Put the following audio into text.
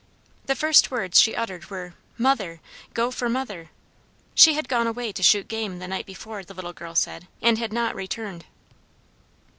The first words she uttered were, "mother! go for mother!" She had gone away to shoot game the night before, the little girl said, and had not returned.